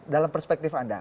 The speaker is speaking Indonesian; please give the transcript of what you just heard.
dalam perspektif anda